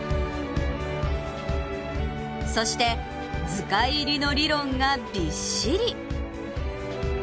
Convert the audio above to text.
そして、図解入りの理論がびっしり。